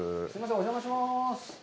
お邪魔します。